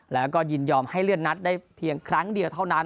แล้วก็ยินยอมให้เลื่อนนัดได้เพียงครั้งเดียวเท่านั้น